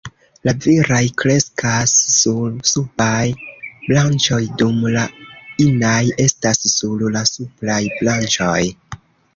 La viraj kreskas sur subaj branĉoj, dum la inaj estas sur la supraj branĉoj.